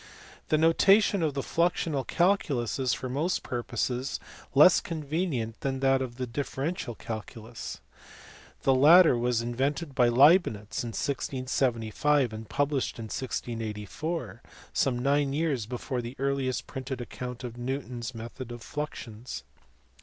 The notation of the fluxional calculus is for most purposes less convenient than that of the differential calculus. The latter was invented by Leibnitz in 1675, and published in 1684 some nine years before the earliest printed account of Newton s method of fluxions.